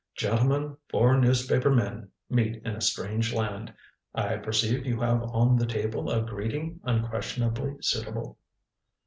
"Gentlemen, four newspaper men meet in a strange land. I perceive you have on the table a greeting unquestionably suitable."